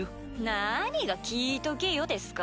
なにが「聞いとけよ」ですか。